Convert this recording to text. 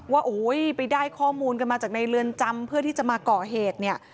ว่าโอ้ยไปได้ข้อมูลกันมาจากในเรือนจำเพื่อที่จะมาก่อเหตุเนี่ย